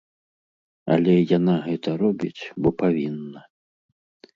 Але яна гэта робіць, бо павінна.